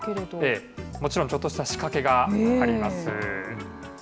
もちろんちょっとした仕掛けがあります。